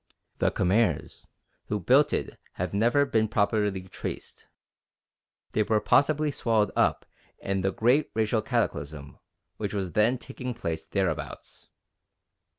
The Khmers who built it have never been properly traced. They were possibly swallowed up in the great racial cataclysm which was then taking place thereabouts.